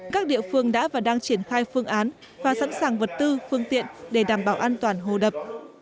các địa phương đã và đang triển khai phương án và sẵn sàng vật tư phương tiện để đảm bảo an toàn hồ đập